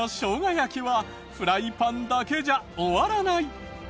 焼きはフライパンだけじゃ終わらない！